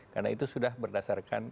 karena itu sudah berdasarkan